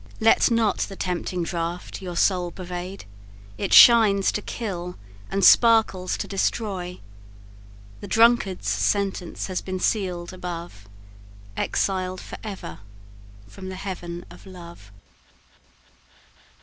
Let not the tempting draught your soul pervade; It shines to kill, and sparkles to destroy. The drunkard's sentence has been seal'd above, Exiled for ever from the heaven of love!"